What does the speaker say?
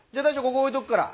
ここ置いとくから。